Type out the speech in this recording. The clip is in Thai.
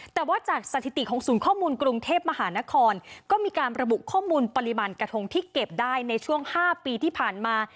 แต่ว่าจากสถิติของศูนย์ข้อมูลกรุงเทพมหานครก็มีการระบุข้อมูลปริมาณกระทงที่เก็บได้ในช่วง๕ปีที่ผ่านมา